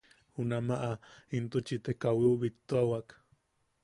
Junamaʼa intuchi te kawiu bittuawak.